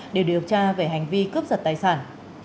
để điều tra về hành vi cướp giật tài sản